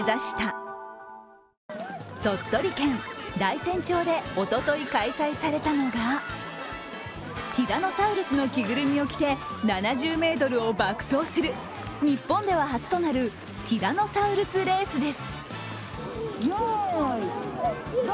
鳥取県大山町でおととい開催されたのがティラノサウルスの着ぐるみを着て、７０ｍを爆走する日本では初となるティラノサウルスレースです。